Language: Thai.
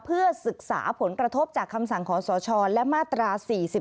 เพื่อศึกษาผลกระทบจากคำสั่งขอสชและมาตรา๔๔